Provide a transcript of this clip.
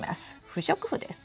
不織布です。